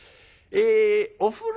えお風呂」。